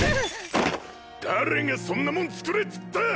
誰がそんなもん作れっつった！